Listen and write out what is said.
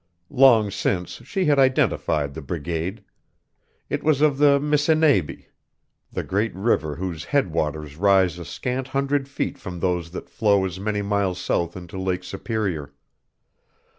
Long since she had identified the brigade. It was of the Missináibie, the great river whose head waters rise a scant hundred feet from those that flow as many miles south into Lake Superior.